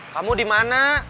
kamu di mana